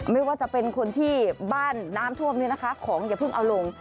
ไม่ว่าจะเป็นคนที่บ้านน้ำท่วมนี้นะคะของอย่าเพิ่งเอาลง